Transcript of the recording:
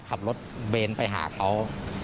ขับรถเบนไปหาเขา